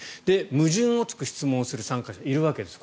矛盾を突く質問をする参加者がいるわけです。